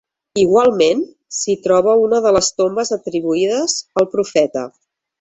Igualment, s'hi troba una de les tombes atribuïdes al profeta.